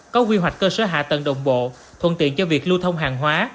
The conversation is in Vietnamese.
có quy hoạch cơ sở hạ tầng đồng bộ thuận tiện cho việc lưu thông hàng hóa